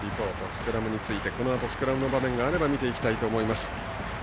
スクラムについてこのあとスクラムの場面があれば見ていきたいと思います。